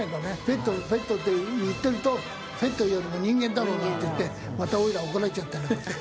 「ペット」「ペット」って言ってると「ペットよりも人間だろう」なんて言ってまたおいら怒られちゃったりなんかして。